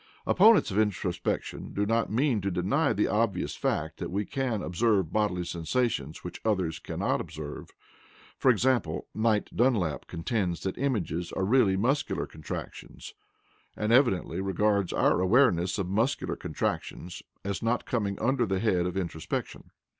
Opponents of introspection do not mean to deny the obvious fact that we can observe bodily sensations which others cannot observe. For example, Knight Dunlap contends that images are really muscular contractions,* and evidently regards our awareness of muscular contractions as not coming under the head of introspection.